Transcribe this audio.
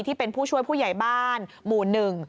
ที่เป็นผู้ช่วยผู้ใหญ่บ้านหมู่หนึ่ง